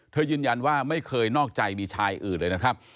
ยืนยันว่าไม่เคยนอกใจมีชายอื่นเลยนะครับ